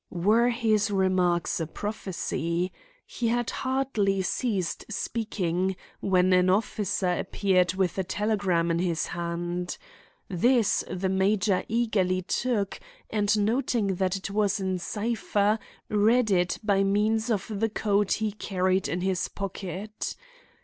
Were his remarks a prophecy? He had hardly ceased speaking when an officer appeared with a telegram in his hand. This the major eagerly took and, noting that it was in cipher, read it by means of the code he carried in his pocket.